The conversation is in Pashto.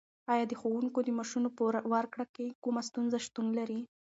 ایا د ښوونکو د معاشونو په ورکړه کې کومه ستونزه شتون لري؟